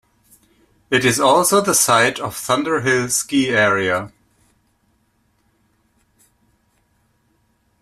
It is also the site of Thunderhill Ski Area.